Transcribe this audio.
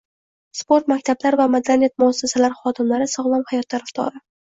Sport maktablar va madaniyat muassasalari xodimlari sog‘lom hayot tarafdori